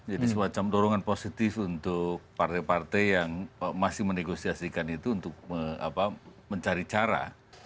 jadi semacam dorongan positif untuk partai partai yang masih menegosiasikan itu untuk mencari cara